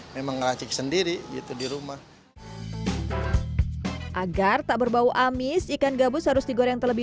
memang ngeracik sendiri gitu di rumah agar tak berbau amis ikan gabus harus digoreng terlebih